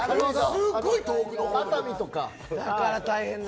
すごい遠くのほう。